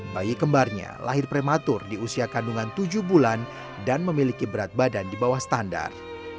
bayi kembarnya lahir prematur di usia kandungan tujuh bulan dan memiliki berat badan di bawah standar